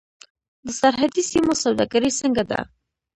د سرحدي سیمو سوداګري څنګه ده؟